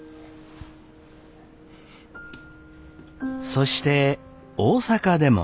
そして大阪でも。